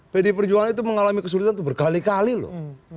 pdi perjuangan itu mengalami kesulitan itu berkali kali loh